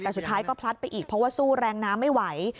แต่สุดท้ายก็พลัดไปอีกเพราะว่าสู้แรงน้ำไม่ไหว